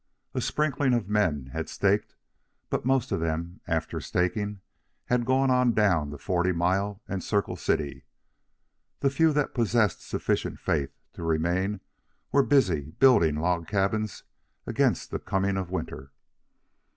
A sprinkling of men had staked; but most of them, after staking, had gone on down to Forty Mile and Circle City. The few that possessed sufficient faith to remain were busy building log cabins against the coming of winter.